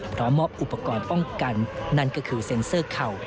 พร้อมมอบอุปกรณ์ป้องกันนั่นก็คือเซ็นเซอร์เข่า